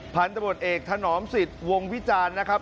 ผ่านจับรวดเอกทานอ๋อมศิษย์วงวิจารณ์นะครับ